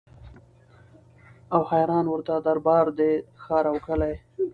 او حیران ورته دربار دی ښار او کلی